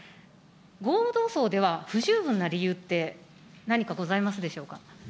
合同葬では不十分な理由って、何かございますでしょうか。